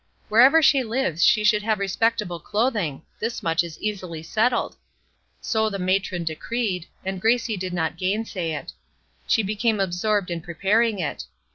"Wherever she lives she should have respectable clothing; thus much is easily settled." So the matron decreed, and Gracie did not gainsay it. She became absorbed in preparing it.